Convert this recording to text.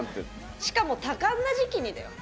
しかも多感な時期にだよ。